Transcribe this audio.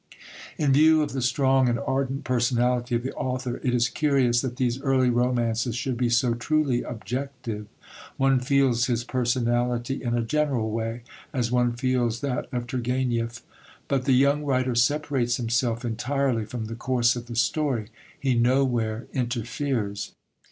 In view of the strong and ardent personality of the author, it is curious that these early romances should be so truly objective. One feels his personality in a general way, as one feels that of Turgenev; but the young writer separates himself entirely from the course of the story; he nowhere interferes.